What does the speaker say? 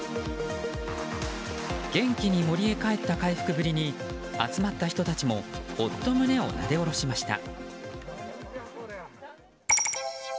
元気に森へ帰った回復ぶりに集まった人たちもほっと胸をなでおろしました。